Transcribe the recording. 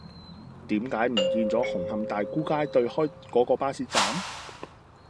點解唔見左紅磡大沽街對開嗰個巴士站